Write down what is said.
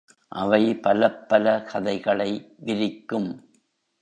அவை பலப்பல கதைகளை விரிக்கும்.